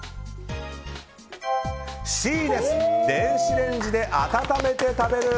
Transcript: Ｃです電子レンジで温めて食べる。